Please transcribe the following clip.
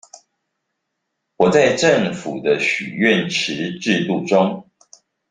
我在政府的許願池制度中